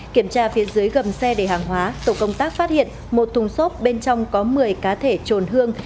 kiểm tra phía dưới gầm xe để hàng hóa tổ công tác phát hiện một thùng xốp bên trong có một mươi cá thể trồn hương